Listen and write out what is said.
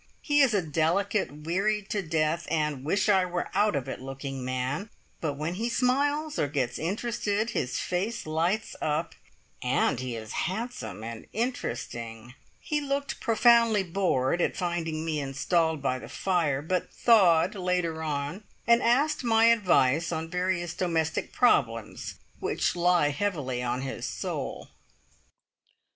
He is a delicate, wearied to death, and wish I were out of it looking man, but when he smiles or gets interested his face lights up, and he is handsome and interesting. He looked profoundly bored at finding me installed by the fire, but thawed later on, and asked my advice on various domestic problems which lie heavily on his soul.